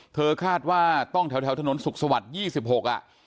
คาดว่าต้องแถวถนนสุขสวรรค์๒๖อ่ะ